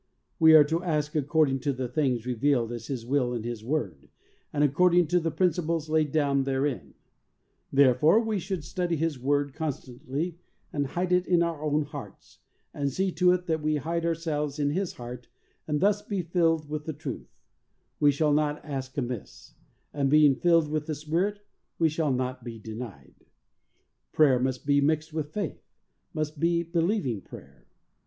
We are to ask according to the things revealed as His will in His Word, and ac cording to the principles laid down therein; therefore we should study His Word con stantly and hide it in our own hearts, and see to it that we hide ourselves in His heart and thus be filled with the truth; we shall then not ask amiss, and being filled with the Spirit, we shall not be denied. Prayer must be mixed with faith — must be believing prayer.